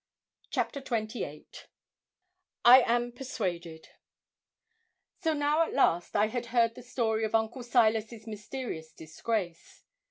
CHAPTER XXVIII I AM PERSUADED So now at last I had heard the story of Uncle Silas's mysterious disgrace.